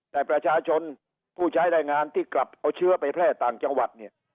แต่ประชาชนผู้ใช้แรงงานที่กลับเอาเชื้อไปแพร่ต่างจังหวัดเนี่ย